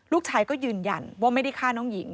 ลูกชายก็ยืนยันว่าไม่ได้ฆ่าน้องหญิง